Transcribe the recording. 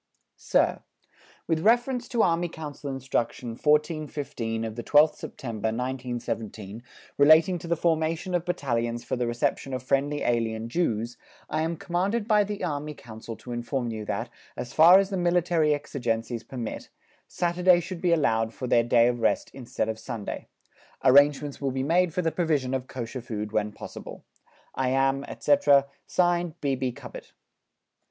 SIR, With reference to Army Council Instruction 1415 of the 12th Sept., 1917, relating to the formation of Battalions for the reception of Friendly Alien Jews, I am commanded by the Army Council to inform you that, as far as the Military exigencies permit, Saturday should be allowed for their day of rest instead of Sunday. Arrangements will be made for the provision of Kosher food when possible. I am, etc., (Signed) B. B. CUBITT.